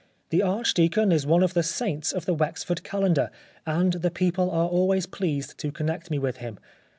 The Archdeacon is one of the saints of the Wexford Calendar, and the people are always pleased to connect me with him.